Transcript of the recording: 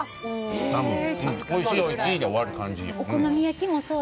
多分おいしい、おいしいで終わる感じ。